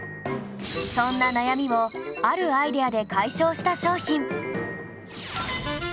そんな悩みをあるアイデアで解消した商品